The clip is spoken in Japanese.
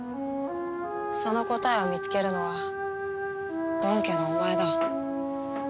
その答えを見つけるのはドン家のお前だ。